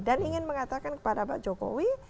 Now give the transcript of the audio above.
dan ingin mengatakan kepada pak jokowi